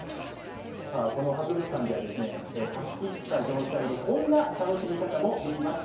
さあ、この博物館では貸し切った状態で、こんな楽しみ方もできます。